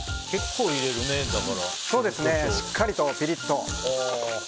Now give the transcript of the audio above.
しっかりと、ピリッと。